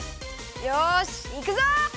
よしいくぞ！